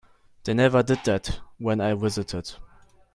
They never did that when I visited.